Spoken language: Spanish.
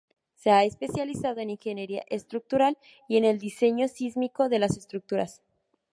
Se ha especializado en ingeniería estructural y en el diseño sísmico de las estructuras.